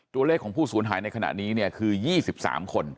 ตัวเลขของผู้สูญหายในขณะนี้เนี่ยคือ๒๓คน